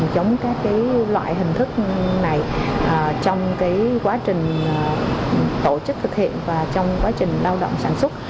chống các loại hình thức này trong quá trình tổ chức thực hiện và trong quá trình lao động sản xuất